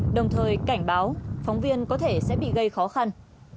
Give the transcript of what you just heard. đồng thời cảnh báo phóng viên có thể sẽ bị gây khó khăn